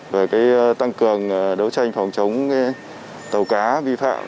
về tăng cường đấu tranh phòng chống tàu cá vi phạm